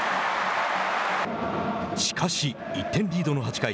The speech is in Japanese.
しかし、１点リードの８回。